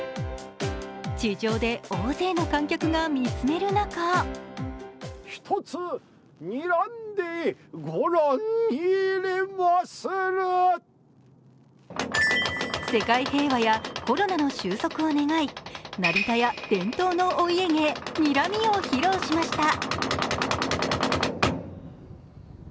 地上で大勢の観客が見つめる中世界平和やコロナの終息を願い、成田屋伝統のお家芸・にらみを披露しました。